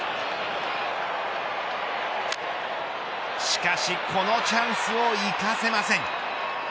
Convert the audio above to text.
しかし、このチャンスを生かせません。